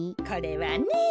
これはね。